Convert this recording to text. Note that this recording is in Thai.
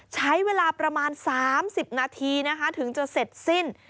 ใช้เวลาประมาณสามสิบนาทีถึงจะเสร็จสิ้น